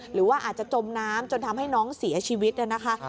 หรือว่าอาจจะจมน้ำจนทำให้น้องเสียชีวิตนะคะ